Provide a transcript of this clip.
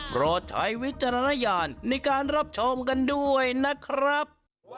โปรดใช้วิจารณญาณในการรับชมกันด้วยนะครับ